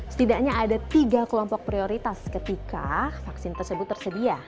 setidaknya ada tiga kelompok prioritas ketika vaksin tersebut tersedia